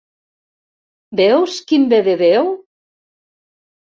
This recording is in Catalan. Veus, quin bé de Déu?